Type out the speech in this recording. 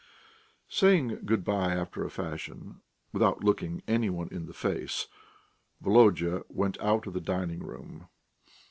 Saying good bye after a fashion, without looking any one in the face, Volodya went out of the dining room.